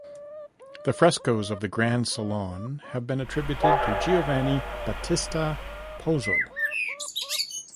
The frescoes of the Grand Salon have been attributed to Giovanni Battista Pozzo.